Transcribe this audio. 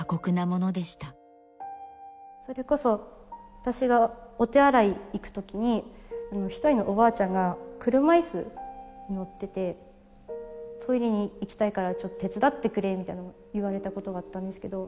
それこそ私がお手洗いに行くときに一人のおばあちゃんが車いすに乗っていて「トイレに行きたいからちょっと手伝ってくれ」みたいな言われたことがあったんですけど。